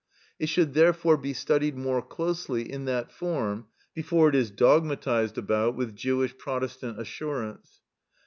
It should therefore be studied more closely in that form before it is dogmatised about with Jewish Protestant assurance.